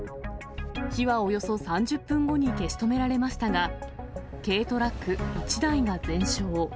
火はおよそ３０分後に消し止められましたが、軽トラック１台が全焼。